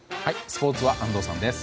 スポーツは安藤さんです。